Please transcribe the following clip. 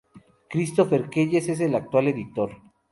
Christopher Keyes es el actual editor.